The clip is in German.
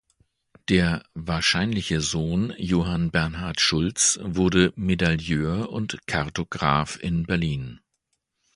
Der (wahrscheinliche) Sohn Johann Bernhard Schultz wurde Medailleur und Kartograf in Berlin.